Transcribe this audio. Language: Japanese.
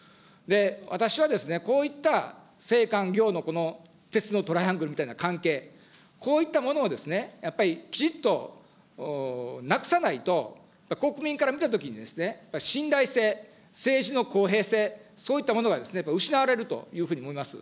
私はですね、こういった政官業のこの鉄のトライアングルみたいな関係、こういったものをですね、やっぱりきちっとなくさないと、国民から見たときに、信頼性、政治の公平性、そういったものが失われるというふうに思います。